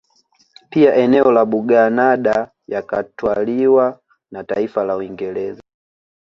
Pia eneo la Buganada yakatwaliwa na taifa la Uingereza